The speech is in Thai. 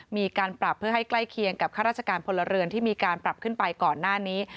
มีการปรับเพื่อให้ใกล้เคียงกับข้าราชการพลเรือนที่มีการปรับขึ้นไปก่อนหน้านี้